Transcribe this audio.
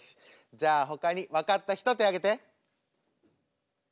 じゃあほかに分かった人手挙げて。